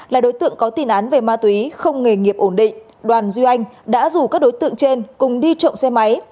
là đối tượng có tiền án về ma túy không nghề nghiệp ổn định đoàn duy anh đã rủ các đối tượng trên cùng đi trộm xe máy